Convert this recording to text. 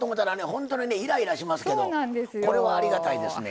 本当にねイライラしますけどこれはありがたいですね。